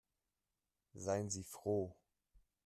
Seien Sie froh.